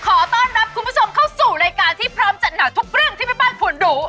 ขอต้อนรับคุณผู้ชมเข้าสู่รายการที่พร้อมจัดหนักทุกเรื่องที่แม่บ้านคุณรู้